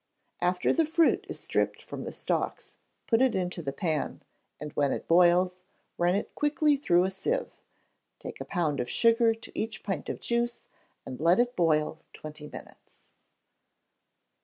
After the fruit is stripped from the stalks, put it into the pan, and when it boils, run it quickly through a sieve: take a pound of sugar to each pint of juice, and let it boil twenty minutes.